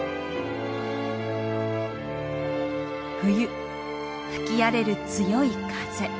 冬吹き荒れる強い風。